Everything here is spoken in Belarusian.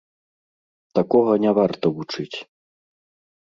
Такога не варта вучыць.